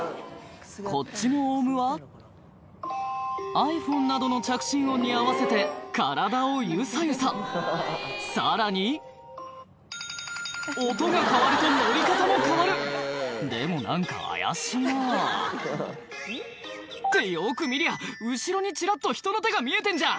こっちのオウムはｉＰｈｏｎｅなどの着信音に合わせて体をゆさゆささらに音が変わるとノリ方も変わるでも何か怪しいなってよく見りゃ後ろにちらっと人の手が見えてんじゃん